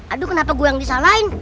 aduh kenapa gue yang disalahin